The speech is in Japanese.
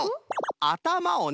あたまをね